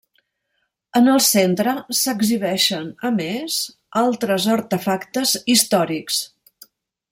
En el centre s'exhibeixen, a més, altres artefactes històrics.